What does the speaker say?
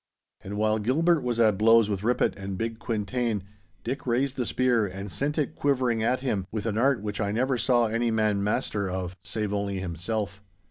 And while Gilbert was at blows with Rippitt and Big Quintain, Dick raised the spear and sent it quivering at him, with an art which I never saw any man master of, save only himself.